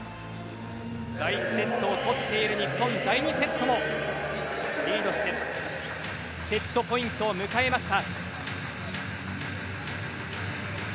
第１セットを取っている日本第２セットもリードしてセットポイントを迎えました。